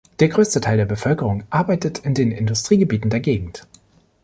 Der größte Teil der Bevölkerung arbeitet in den Industriegebieten der Gegend.